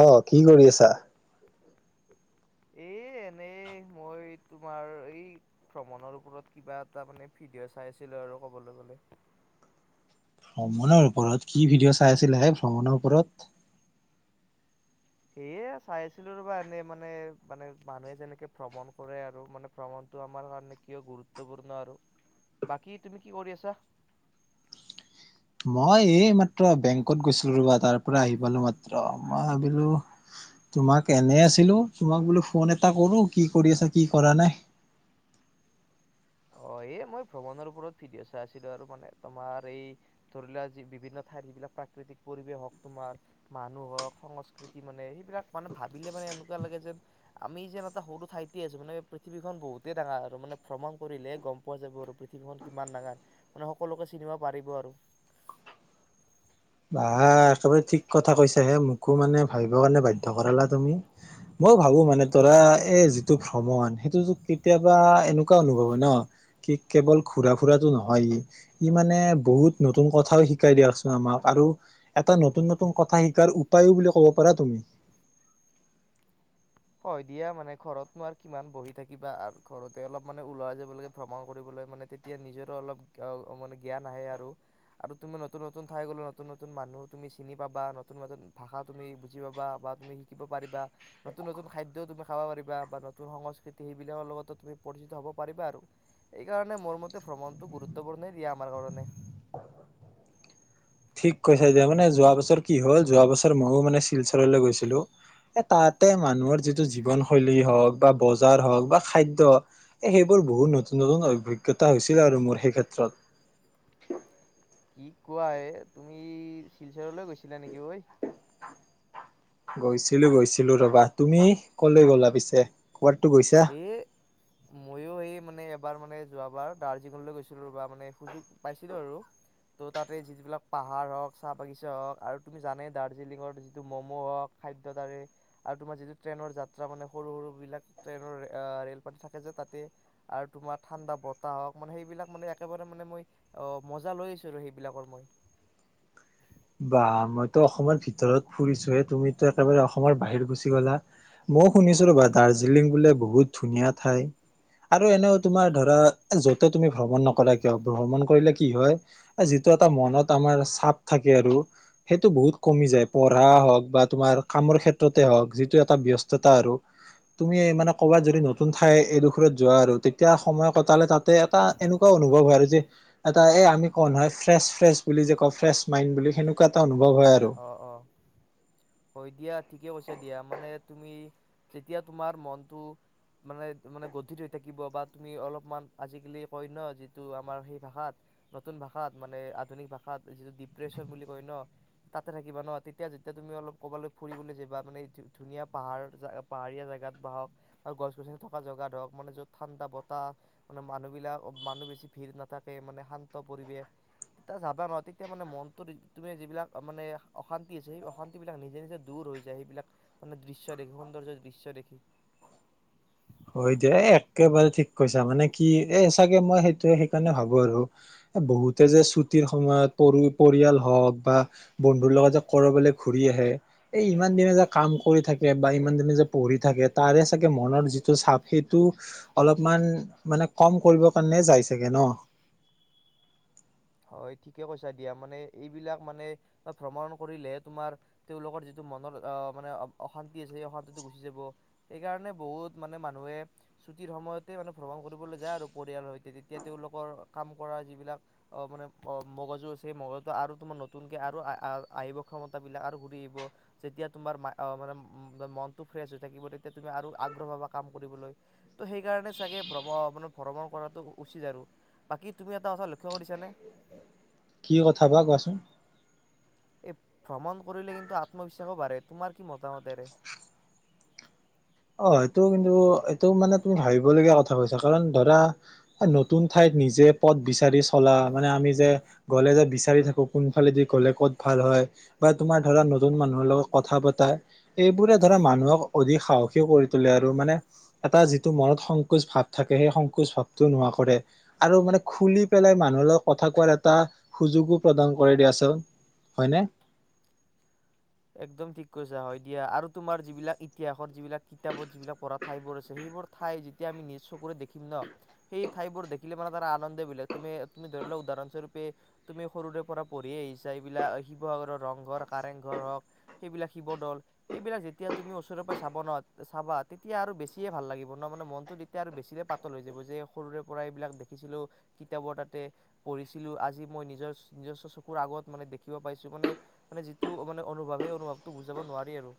অ কি কৰি আছা? এ এনেই মই তোমাৰ এই ভ্ৰমণৰ ওপৰত কিবা এটা মানে ভিডিঅ' চাই আছিলো আৰু কবলৈ গলে ভ্ৰমণৰ ওপৰত কি ভিডিঅ' চাই আছিলে হে ভ্ৰমণৰ ওপৰত? সেয়ে চাই আছিলো ৰ'বা এনে মানে মানে মানুহে যেনেকে ভ্ৰমণ কৰে আৰু মানে ভ্ৰমণটো আমাৰ কাৰণে কিয় গুৰুত্বপূৰ্ণ আৰু, বাকী তুমি কি কৰি আছা? মই এই মাত্ৰ বেংকত গৈছিলো ৰবা তাৰ পৰা আহি পালো মাত্ৰ মই ভাবিলো তোমাক এনে আছিলো তোমাক বোলো ফোন এটা কৰো কি কৰি আছা কি কৰা নাই। অ এই মই ভ্ৰমণৰ ওপৰত ভিডিঅ' চাই আছিলো আৰু মানে তোমাৰ এই ধৰি লোৱা যি বিভিন্ন ঠাইৰ যিবিলাক প্ৰাকৃতিক পৰিৱেশ হওক তোমাৰ মানুহ হওক সংস্কৃতি মানে সেইবিলাক মানে ভাবিলে মানে এনেকুৱা লাগে যেন আমি যেন এটা সৰু ঠাইতে আছো মানে পৃথিৱীখন বহুতেই ডাঙাৰ আৰু মানে ভ্ৰমণ কৰিলে গম পোৱা যাব আৰু পৃথিৱীখন কিমান ডাঙৰ মানে সকলোকে চিনিব পাৰিব আৰু। বা ছবে একেবাৰে ঠিক কথা কৈছা হে মোকো মানে ভাবিবৰ কাৰণে বাধ্য কৰালা তুমি মই ভাবো মানে তৰা এই যিটো ভ্ৰমণ সেইটো কেতিয়াবা এনেকুৱা অনুভৱ হয় ন কি কেৱল ঘুৰা ফুৰাতটো নহয় ই মানে বহুত নতুন কথাও শিকাই দিয়কচোন আমাক। আৰু এটা নতুন নতুন কথা শিকাৰ উপায়ো বুলি কব পাৰা তুমি। হয় দিয়া মানে ঘৰতনো আৰু কিমান বহি থাকিবা ঘৰতে অলপ মানে ওলাই যাব লে ভ্ৰমণ কৰিবলৈ মানে তেতিয়া নিজৰো অলপ মান জ্ঞান আহে আৰু আৰু তুমি নতুন নতুন ঠাই গলে নতুন নতুন মানুহ তুমি চিনি পাবা নতুন নতুন ভাষা তুমি বুজি পাবা বা তুমি শিকিব পাৰিবা নতুন নতুন খাদ্যও তুমি খাব পাৰিবা বা নতুন সংস্কৃতি সেইবিলাকৰ লগতো তুমি পৰিচিত হ'ব পাৰিবা আৰু এই কাৰণে মোৰ মতে ভ্ৰমণটো গুৰুত্বপূৰ্ণনেই আমাৰ কাৰণে ঠিক কৈছে এতিয়া মানে যোৱা বছৰ কি হল যোৱা বছৰ ময়ো মানে শিলচৰলৈ গৈছিলো এ তাতে মানুহৰ যিটো জীৱনশৈলী হওঁক বা বজাৰ হওক বা খাদ্য এ সেইবোৰ বহুত নতুন নতুন অভিজ্ঞতা হৈছিল আৰু মোৰ সেই ক্ষেত্ৰত কি কোৱা এ তুমি শিলচৰলৈ গৈছিলা নেকি ঐ গৈছিলো গৈছিলো ৰবা তুমি কলে গলা পিছে ক'বাততো গৈছা এ ময়ো সেই মানে বাৰ মানে যোৱাবাৰ দাৰ্জিলিলৈ গৈছিলো বা মানে সুযোগ পাইছিলো আৰু ত তাতে যিবিলাক পাহাৰ হওঁক চাহ বাগিছা হওক আৰু তুমি জানেই দাৰ্জিলিঙৰ যিটো ম'ম' হওঁক খাদ্য তাৰে আৰু তোমাৰ যিটো ট্ৰেইনৰ যাত্ৰা মানে সৰু সৰু বিলাক ট্ৰেইনৰ ৰেল পাত থাকে যে', তাতে আৰু তোমাৰ ঠাণ্ডা বতাহ হওঁক, মানে সেইবিলাক মানে একেবাৰে মানে মই', মজা লৈ আহিছো আৰু সেইবিলাকৰ মই। বা', মইতো অসমৰ ভিতৰত ফুৰিছো হে, তুমিতো একেবাৰে অসমৰ বাহিৰ গুচি গ'লা। মই', শুনিছো ৰবা দাৰৰ্জিলিং বোলে বহুত ধুনীয়া ঠাই আৰু এনেও তোমাৰ ধৰা যতে তুমি ভ্ৰমণ নকৰা কিয় ভ্ৰমণ কৰিলে কি', হয় যিটো এটা মনত আমাৰ চাপ থাকে সেইটো আৰু সেইটো বহুত কমি যায়, পঢ়া হওঁক বা তোমাৰ কামৰ ক্ষেত্ৰতে হওঁক যিটো এটা ব্যস্ততা আৰু তুমি', মানে ক'বাত যদি নতুন ঠাই এডোখৰত যোৱা আৰু তেতিয়া সময় কটালে তাতে এটা এনেকুৱাও অনুভৱ হয় আৰু যে', এটা এই আমি কওঁ নহয় ফ্ৰেছ- ফ্ৰেছ বুলি যে কওঁ ফ্ৰেছ মাইণ্ড বুলি হেনেকুৱা এটা অভি সম্ভৱ হয় আৰু, অ' অ'। হয় দিয়া ঠিকে কৈছে দিয়া মানে তুমি যেতিয়া তোমাৰ মনটো মানে-মানে গধিত হৈ থাকিব বা তুমি অলপমান আজিকালি কয় ন', যিটো আমাৰ সেই ভাষাত নতুন ভাষাত মানে আধুনিক ভাষাত যিটো ডিপ্ৰেশ্যন বুলি কয় ন', তাতে থাকিবা ন', তেতিয়া যেতিয়া তুমি অলপ ক'ৰবালৈ ফুৰিবলৈ যাবা, মানে ধুনীয়া পাহাৰ, জ', পাহাৰীয়া জাগাত বা হক গছ-গছনি থকা জেগাত হওঁক মানে য'ত ঠাণ্ডা বতাহ মানে মানুহবিলাক মানুহ বেছি ভিৰ নাথাকে। মানে শান্ত পৰিৱেশ তেতিয়া যাবা নহ', তেতিয়া মানে মনটো তুমি যিবিলাক মানে অশান্তি আছে সেই অশান্তি বিলাক নিজে-নিজে দূৰ হৈ যায়। সেইবিলাক মানে দৃশ্য দেখি সৌন্দৰ্য দৃশ্য দেখি। হয় দিয়া এ', একেবাৰে ঠিক কৈছা মানে কি এ', চাগে মই সেইটোয়ে সেইকাৰণে ভাবো আৰু এ', বহুতে যে ছুটিৰ সময়ত পৰি পৰিয়াল হওঁক বা বন্ধুৰ লগত যে কৰবালে ঘুৰি আহে, এই ইমান দিনে যে কাম কৰি থাকে বা ইমান দিনে যে পঢ়ি থাকে তাৰে চাগে মনৰ যি চাপ সেইটো অলপমান মানে কম কৰিব কাৰণে যাই চাগে ন হয়', ঠিকে কৈছা দিয়া, মানে এইবিলাক মানে ভ্ৰমণ কৰিলেহে তোমাৰ তেওঁলোকৰ যিটো মনৰ মানে অশান্তি আছে সেই অশান্তিটো গুচি যাব সেইকাৰণে বহুত মানে মানুহে ছুটিৰ সময়তে মানে ভ্ৰমণ কৰিবলৈ যায়, আৰু পৰিয়ালৰ সৈতে তেতিয়া তেওঁলোকৰ কাম কৰা যিবিলাক মানে অহ', মগজু আছেই মগজুত আৰু তোমাৰ নতুনকে আৰু আহিব ক্ষমতা বিলাক আৰু ঘূৰি আহিব। যেতিয়া তোমাৰ মানে মনটো ফ্ৰেছ হৈ থাকিব তেতিয়া তুমি আৰু আগ্ৰহ হবা কাম কৰিবলৈ ত', সেইকাৰণে চাগে ভ্ৰমনে-ভ্ৰমণ কৰাটো উচিত আৰু বাকী তুমি এটা কথা লক্ষ্য কৰিছানে? কি', কথা বা কোৱাচোন এই ভ্ৰমণ কৰিলে কিন্তু আত্মবিশ্বাস কোবাঢ়ে, তোমাৰ কি মতামত এৰে? অ', এইটো কিন্তু এইটো মানে তুমি ভাবিবলগীয়া কথা কৈছা। কাৰণ ধৰা নতুন ঠাইত নিজে পদ বিচাৰি চলা মানে আমি যে গ'লে যে', বিচাৰি থাকো কোনফালেদি গ'লে ক'ত ভাল হয়, বা', তোমাৰ ধৰা নতুন মানুহৰ লগত কথা পতা এইবোৰে ধৰা মানুহক অধিক সাহস কে কৰি তোলে আৰু মানে এটা যিটো মনত সংকোচ ভাৱ থাকে সেই সংকোচ ভাৱটো নোহোৱা কৰে আৰু মানে খুলি পেলাই মানুহৰ লগ কথা কোৱাৰ এটা সুযোগো প্ৰদান কৰে দিয়াচোন হয়নে একদম ঠিক কৈছা হয়', দিয়া আৰু তোমাৰ যিবিলাক ইতিহাসৰ যিবিলাক কিতাপত যিবিলাক পঢ়া ঠাইবোৰ আছে, সেইবোৰ ঠাই যেতিয়া আমি নিজ চকুৰে দেখিম ন', সেই ঠাই বোৰ দেখিলে মানে তাৰ আনন্দ বেলেগ তুমি - তুমি ধৰি লোৱা উদাহৰণ স্বৰূপে তুমি সৰুৰে পৰা পঢ়িয়ে আহিছা এইবিলাক শিৱসাগৰৰ ৰংঘৰ, কাৰেংঘৰ, হওক সেইবিলাক শিৱদল সেইবিলাক যেতিয়া তুমি ওচৰ পৰাই চাব ন', চাবা তেতিয়া আৰু বেছিয়ে ভাল লাগিব। ন', মানে মনতটো তেতিয়া আৰু বেছি পাতল হৈ যাব যে', সৰুৰে পৰা এইবিলাক দেখিছিলো কিতাপৰ তাতে পঢ়িছিলো, আজি মই নিজৰ নিজস্ব চকুৰ আগত মানে দেখিব পাইছো মানে', - মানে', যিটো মানে অনুভৱে অনুভৱটো তোক বুজাব নোৱাৰি আৰু,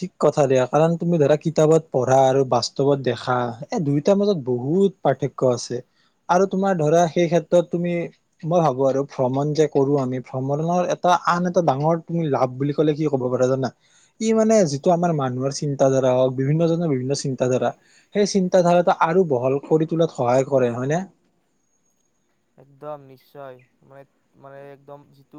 ঠিক কথা দিয়া কাৰণ তুমি', ধৰা কিতাপত পঢ়া আৰু বাস্তৱত দেখা এই দুয়োটাৰ মাজত বহুত পাৰ্থক্য আছে, আৰু তোমাৰ ধৰা সেই ক্ষেত্ৰত তুমি- মই ভাবো আৰু ভ্ৰমণ যে', কৰো আমি ভ্ৰমণৰ এটা আন এটা ডাঙৰ তুমি লাভ বুলি কলে কি ক'ব পাৰা জানা ই মানে যিটো আমাৰ মানুহৰ চিন্তাধাৰা হওঁক, বিভিন্নজনৰ বিভিন্ন চিন্তাধাৰা সেই চিন্তাধাৰাটো আৰু বহল কৰি তোলাত সহায় কৰে হয়নে। একদম নিশ্চয় মানে-মানে একদম যিটো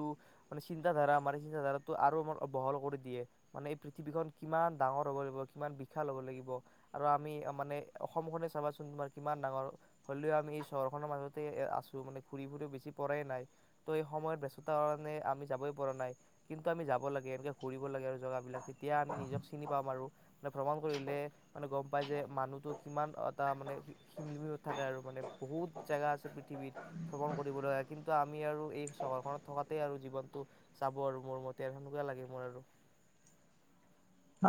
মানে চিন্ত ধাৰা আমাৰ এই চিন্তা ধাৰাটো আৰু- আৰু বহল কৰি দিয়ে। মানে এই পৃথিৱীখন কিমান ডাঙৰ হ'ব লাগিব, কিমান বিশাল হব লাগিব, আৰু আমি মানে অসমখনে চাবাচোন তোমাৰ কিমান ডাঙৰ হ'লেও আমি এই চহৰখনৰ মাজতে আছো মানে ঘূৰি ফুৰিও বেচি পৰাই নাই ত', এই সময়ত বস্ততাৰ কাৰণে আমি যাবই পৰা নাই কিন্তু আমি যাব লাগে এনেকে ঘুৰিব লাগে আৰু জেগা বিলাক তেতিয়া আমি নিজক চিনি পাম আৰু, মানে ভ্ৰমণ কৰিলে মানে গম পাই যে', মানুহতো কিমান এটা মানে ক্ষীনত থাকে আৰু মানে বহুত জেগা আছে পৃথিৱীত। ভ্ৰমণ কৰিবলৈ কিন্তু আমি আৰু এই চহৰখনত থকাতে আৰু জীৱনটো যাব আৰু মোৰ মতে আৰু হেনেকুৱা লাগে মোৰ আৰু।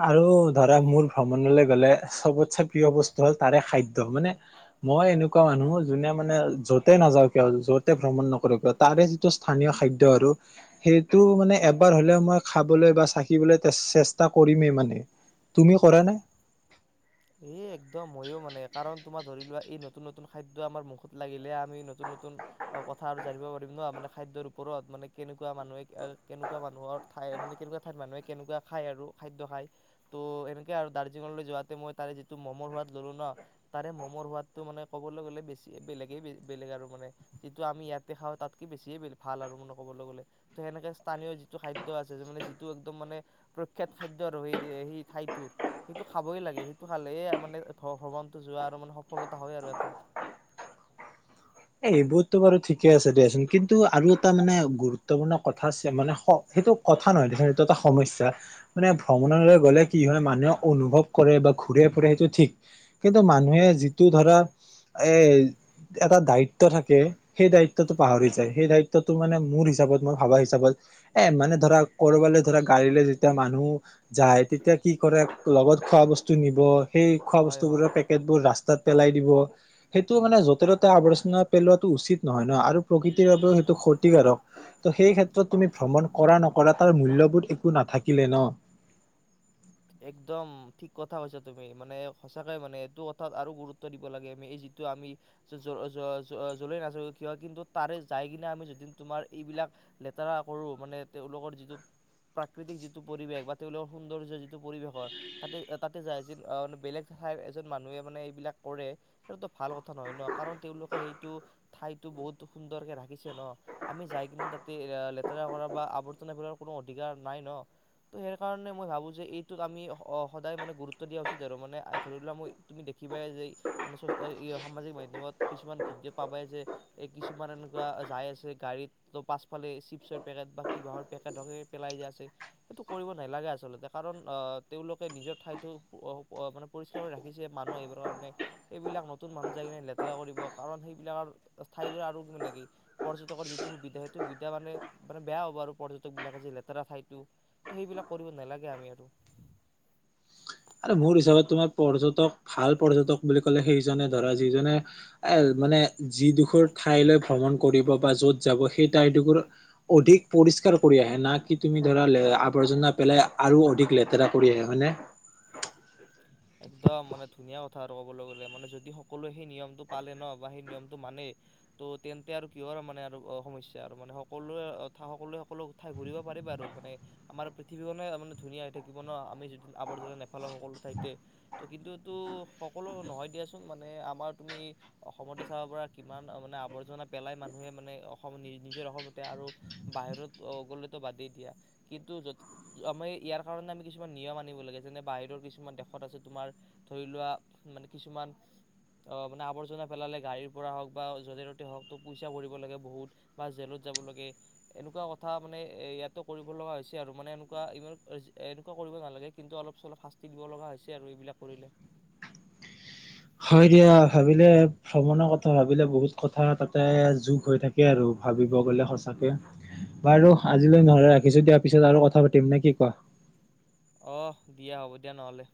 আৰু ধৰা মোৰ ভ্ৰমণলৈ গ'লে সবতছে প্ৰিয় বস্তু হ'ল-তাৰে খাদ্য মানে মই এনেকুৱা মানুহ যোনে মানে য'তে নাযাঁও কিয় য'তে ভ্ৰমণ নকৰো কিয়', তাৰে যিটো স্থানীয় খাদ্য আৰু সেইটো মানে এবাৰ হ'লেও মই খাবলৈ বা চাকিবলৈ চেষ্টা কৰিমেই মানে তুমি কৰা নে এ', একদম মইও মানে কাৰণ তোমাৰ ধৰিলোৱা, এই নতুন নতুন খাদ্য আমাৰ মুখত লাগিলে আমি নতুন-নতুন কথা আৰু জানিব পাৰিম ন', মানে খাদ্যৰ ওপৰত মানে কেনেকুৱা মানুহে, কেনেকুৱা মানুহৰ ঠাই মানে কেনেকুৱা ঠাইত মানুহে কেনেকুৱা খায়, আৰু খাদ্য খায় ত', এনেকে আৰু দাৰ্জিলিঙলৈ যোৱাতে মই'। তাৰে যিটো ম'মৰ সোৱাদ ললো ন', তাৰে ক'বলৈ গ'লে বেছি বেলেগে-বেলেগ আৰু মানে যিটো আমি ইয়াতে খাওঁ তাতকে বেছিয়ে ভাল, আৰু মানে ক'বলৈ গ'লে ত', সেনেকে স্থানীয় যিটো খাদ্য তাৰে যিটো মমৰ সোৱাদ মানে যিটো একদম মানে প্ৰখয়াত-খাদ্য আৰু সেই-সেই ঠাইতোৰ সেইটো খাবই লাগে- খালেই মানে ভ্ৰমণতটো যোৱা আৰু মানে সফলতা হয় আৰু এটা। এ', এইবোৰতো বাৰু ঠিকে আছে দিয়াচোন কিন্তু আৰু এটা মানে গুৰুত্বপূৰ্ণ কথা আছে মানে সেইটো কথা নহয় দেচোন এইটো এটা সমস্যা, মানে ভ্ৰমণলৈ গলে কি হয় মানুহে অনুভৱ কৰে বা ঘূৰে- ফুৰে সেইটো ঠিক কিন্তু মানুহে যিটো ধৰা এ', এটা দায়িত্ব দায়িত্ব থাকে সেই দায়িত্বটো পাহৰি যায়, সেই দায়িত্বটো মানে মোৰ হিচাপত মোৰ ভাবা হিচাপত এ', মানে ধৰা কৰবালৈ ধৰা গাড়ীলৈ যেতিয়া মানুহ যায় তেতিয়া কি কৰে লগত খোৱা বস্তু নিব সেই খোৱা হয় হয় বস্তুবোৰৰ পেকেটবোৰ ৰাস্তা, তাত পেলাই দিব সেইটো মানে জটিলতা আৱৰ্জনাত, পেলোৱাটো উচিত নহয় ন', আৰু প্ৰকৃতিৰ বাবেও সেইটো ক্ষতিকাৰক। ত, ' সেই ক্ষেত্ৰত তুমি', ভ্ৰমণ কৰা-নকৰা তাৰ মূল্যবোধ একো নাথাকিলে ন', একদম ঠিক কথা কৈছা তুমি মানে সঁচাকে মানে এইটো কথাত আৰু গুৰুত্ব দিব লাগে। আমি এই যিটো আমি জ্বলে-জ্বলে নাযাওঁ কিয় কিন্তু তাৰে যাই কিনে আমি যদি তোমাৰ এইবিলাক লেতেৰা কৰো মানে তেওঁলোকৰ যিটো প্ৰাকৃতিক যিটো পৰিৱেশ বা তেওঁলোকৰ সৌন্দৰ যি যিটো পৰিৱেশৰ তাতে-তাতে যায় বেলেগ ঠাইৰ এজন মানুহে মানে এইবিলাক কৰে সেইটোতো ভাল কথা নহয় ন', কাৰণ তেওঁলোকে সেইটো ঠাইতো বহুত সুন্দৰকে ৰাখিছে ন', আমি যাই কিনে তাতে এ', লেতেৰা কৰা বা আৱৰ্জনা কৰাৰ কোনো অধিকাৰ নাই ন', ত', সেই কাৰণে মই ভাবো যে এই এইটোত আমি সদায় মানে গুৰুত্ব দিয়া উচিত, আৰু মানে ধৰি লোৱা মই', - তুমি', দেখিবাই যে মানে সামাজিক মাধ্যমত কিছুমান ভিডিঅ' পাবাই যে', এই কিছুমান এনেকুৱা যাই আছে গাড়ীত ত', পাছফালে চিপছৰ পেকেট বা কিবাঁহৰ পেকেট হকে পেলাই যায় আছে সেইটো কৰিব নালাগে আচলতে কাৰণ অহ ', তেওঁলোকে নিজৰ ঠাইতটো মানে পৰিষ্কাৰ ৰাখিছে মানুহ আহিবৰ কাৰণে। এইবিলাক নতুন মানুহ যাই কিনে লেতেৰা কৰিব কাৰণ সেইবিলাকৰ ঠাইবোৰৰে আৰু কি মানে কি পৰ্যটকৰ যিটো সুবিধা সেইটো সুবিধা মানে-মানে বেয়া হ'ব আৰু পৰ্যটক বিলাকে যে লেতেৰা ঠাইতটো ত', সেইবিলাক কৰিব নালাগে আমি আৰু আৰু মোৰ হিচাপত তোমাৰ পৰ্যটক ভাল পৰ্যটক বুলি কলে, সেইজনে ধৰা যিজনে এ', মানে যিডোখৰ ঠাইলৈ ভ্ৰমণ কৰিব বা য'ত যাব সেই ঠাইডোখৰ অধিক পৰিষ্কাৰ কৰি আহে না', কি তুমি', ধৰা আৱৰ্জনা পেলাই আৰু অধিক লেতেৰা কৰি আহে হয়নে? একদম মানে ধুনীয়া কথা আৰু ক'বলৈ গ'লে মানে যদি সকলোৱে সেই নিয়মটো পালে ন', বা সেই নিয়মটো মানে ত', তেন্তে আৰু কিহৰ মানে আৰু সমস্যা আৰু মানে সকলোৱে- সকলোৱে সকলো ঠাই ঘুৰিব পাৰিবা আৰু মানে আমাৰ পৃথিৱীখনে ধুনীয়া হৈ থাকিব ন', আমি যদি আৱৰ্জনা নেপেলাওঁ সকলো ঠাইতে। ত', কিন্তুটো সকলো নহয় দিয়াচোন মানে আমাৰ', - তুমি', অসমতে চাব পৰা কিমান মানে আৱৰ্জনা পেলাই মানুহে মানে অসম নি- নিজৰ অসমতে আৰু বাহিৰত গ'লেতো বাদেই দিয়া কিন্তু য', আমাৰ ইয়াৰ কাৰণে আমি কিছুমান নিয়ম আনিব লাগে যেনে বাহিৰৰ কিছুমান দেশ তাৰপিছত তোমাৰ ধৰি লোৱা মানে কিছুমান অ', মানে আৱৰ্জনা পেলালে গাড়ীৰ পৰা হওক বা যতে- ততে হওঁক পইচা ভৰিব লাগে বহুত বা জেলত যাব লাগে এনেকুৱা কথা মানে এ', ইয়াতো কৰিব লগা হৈছে আৰু মানে এনেকুৱা ইমান এনেকুৱা কৰিব নালাগে কিন্তু অলপ- চলপ শাস্তি দিব লগা হৈছে। আৰু এইবিলাক কৰিলে, হয় দিয়া ভাবিলে ভ্ৰমণৰ কথা ভাবিলে বহুত কথা তাতে যোগ হৈ থাকে আৰু ভাবিব গলে সঁচাকে বাৰু আজিলৈ নহলে ৰাখিছো দিয়াৰ পিছত আৰু কথা পাতিম নে কি কোৱা। অহ দিয়া হ'ব দিয়া নহলে।